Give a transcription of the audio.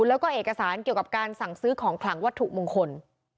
แล้วก็เอกสารเกี่ยวกับการสั่งซื้อของขลังวัตถุมงคล